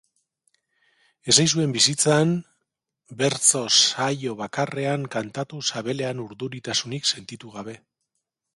Ez ei zuen bizitzan bertso saio bakarrean kantatu sabelean urduritasunik sentitu gabe.